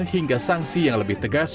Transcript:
hingga sanksi yang lebih tegas